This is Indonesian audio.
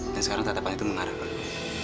dan sekarang tetapan itu mengarah ke gue